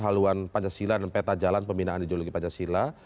haluan pancasila dan peta jalan pembinaan ideologi pancasila